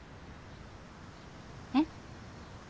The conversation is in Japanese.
えっ？